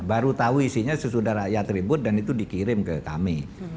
baru tahu isinya sesudah rakyat ribut dan itu dikirim ke kami